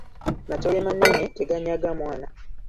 Matole manene, teganyaga mwana.